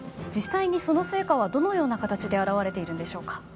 実際にその成果はどのような形で現れているんでしょうか？